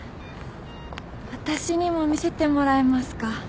私にも見せてもらえますか？